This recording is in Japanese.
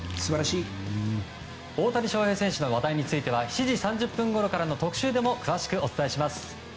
大谷翔平選手の話題については７時３０分ごろからの特集でも詳しくお伝えします。